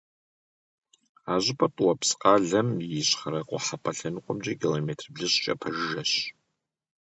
А щӏыпӏэр ТӀуапсы къалэм и ищхъэрэ-къухьэпӀэ лъэныкъуэмкӀэ километр блыщӏкӀэ пэжыжьэщ.